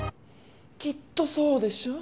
きっとそうでしょう？